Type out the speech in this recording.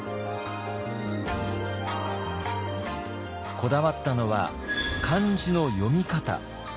こだわったのは漢字の読み方。